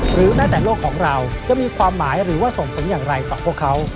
หรือแม้แต่โลกของเราจะมีความหมายหรือว่าส่งผลอย่างไรต่อพวกเขา